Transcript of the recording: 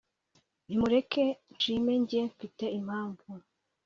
nimureke nshime njye mfite impamvu